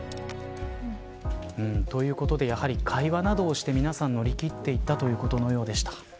ということでやはり会話などをして皆さん、乗り切っていったということのようでした。